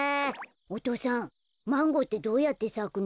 お父さんマンゴーってどうやってさくの？